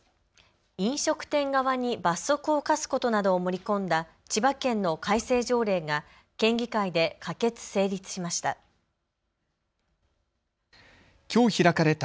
飲食店側に罰則を科すことなどを盛り込んだ千葉県の改正条例が県議会で可決・成立しました。